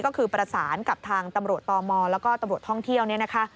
ก็คือประสานกับทางตำรวจตมแล้วก็ตำรวจท่องเที่ยวเนี่ยนะคะ